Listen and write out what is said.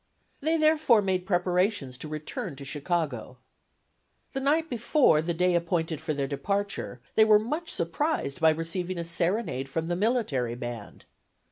They, therefore, made preparations to return to Chicago. The night before the day appointed for their departure they were much surprised by receiving a serenade from the military band.